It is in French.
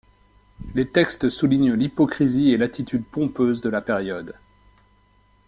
Les textes soulignent l'hypocrisie et l'attitude pompeuse de la période.